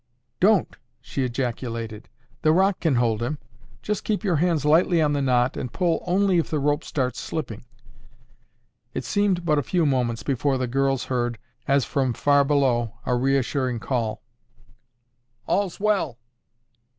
"Don't!" she ejaculated. "The rock can hold him. Just keep your hands lightly on the knot and pull only if the rope starts slipping." It seemed but a few moments before the girls heard, as from far below, a reassuring call, "All's well!"